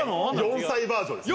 ４歳バージョンです